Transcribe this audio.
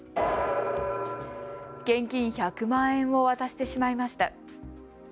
現金１００万円を渡してしまいました。